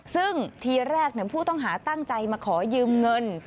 ซึ่งทีแรกผู้ต้องหาตั้งใจมาขอยืมเงิน